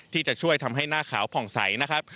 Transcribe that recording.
ที่จะช่วยทำให้หน้าขาวผ่องใสนะครับ